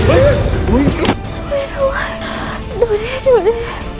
ช่วยด้วยดูนี่ดูนี่